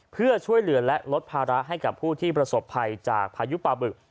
เพื่อช่วยเหลือและลดภาระให้กับผู้ที่ประสบภัยจากพายุปลาบึก